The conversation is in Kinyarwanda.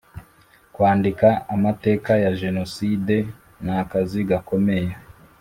kwandika amateka ya jenoside nakazi gakomeye